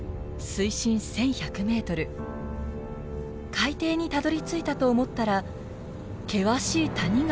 海底にたどりついたと思ったら険しい谷が現れました。